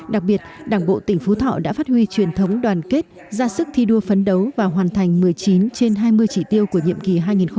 đặc biệt đảng bộ tỉnh phú thọ đã phát huy truyền thống đoàn kết ra sức thi đua phấn đấu và hoàn thành một mươi chín trên hai mươi chỉ tiêu của nhiệm kỳ hai nghìn một mươi năm hai nghìn hai mươi